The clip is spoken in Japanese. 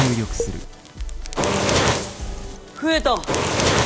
増えた！